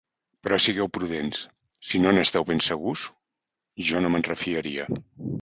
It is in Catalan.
Però sigueu prudents: si no n’esteu ben segurs, jo no men refiaria.